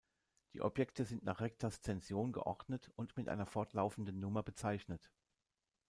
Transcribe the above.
Die Objekte sind nach Rektaszension geordnet und mit einer fortlaufenden Nummer bezeichnet.